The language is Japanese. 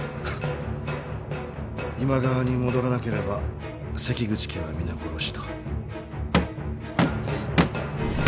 今川に戻らなければ関口家は皆殺しと。